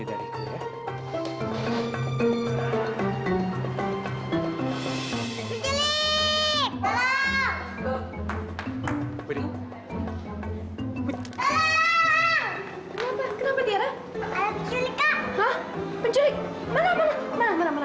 dia asal keboh banget sih